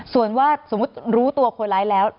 ส่วนว่าสมมุติรู้ตัวคนร้ายแล้ว